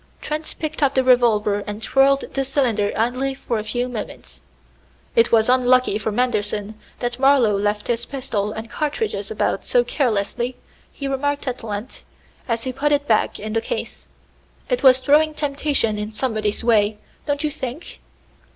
Trent picked up the revolver and twirled the cylinder idly for a few moments. "It was unlucky for Manderson that Marlowe left his pistol and cartridges about so carelessly," he remarked at length, as he put it back in the case. "It was throwing temptation in somebody's way, don't you think?"